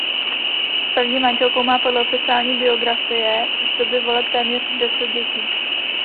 S první manželkou má podle oficiální biografie z doby voleb téměř deset dětí.